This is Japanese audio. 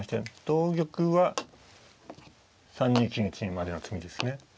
同玉は３二金打までの詰みですね。